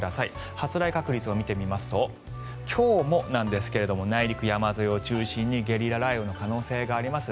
発雷確率を見てみますと今日もなんですが内陸山沿いを中心にゲリラ雷雨の可能性があります。